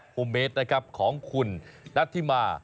โมเมสนะครับของคุณนัทธิมา